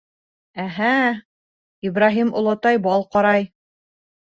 — Әһә, Ибраһим олатай бал ҡарай.